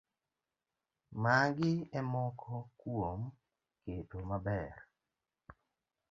Magi e moko kuom keto maber